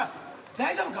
大丈夫か？